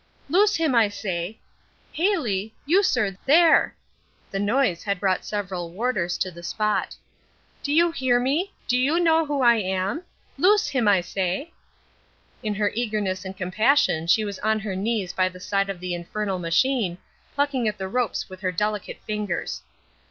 "Loose him, I say! Hailey! you, sir, there!" The noise had brought several warders to the spot. "Do you hear me? Do you know who I am? Loose him, I say!" In her eagerness and compassion she was on her knees by the side of the infernal machine, plucking at the ropes with her delicate fingers.